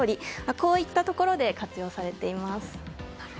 こうしたところで活用されています。